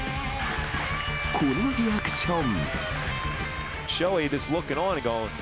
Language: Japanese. このリアクション。